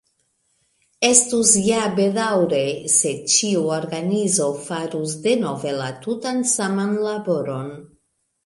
Estus ja bedaŭre, se ĉiu organizo farus denove la tutan saman laboron.